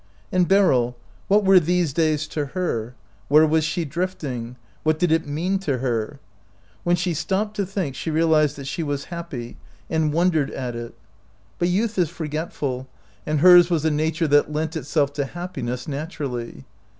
And Beryl, what were these days to her? Where was she drifting ? What did it mean to her ? When she stopped to think, she real ized that she was happy, and wondered at it. 64 OUT OF BOHEMIA But youth is forgetful, and hers was a nature that lent itself to happiness naturally.